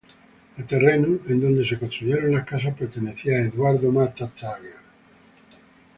El terreno en donde se construyeron las casas pertenecía a Eduardo Matta Tagle.